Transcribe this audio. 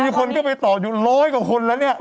คนก็ไปต่ออยู่ร้อยกว่าคนแล้วเนี่ย